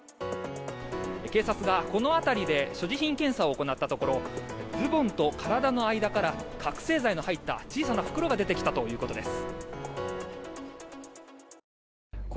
警察がこの辺りで所持品検査を行ったところズボンと体の間から覚醒剤の入った小さな袋が出てきたということです。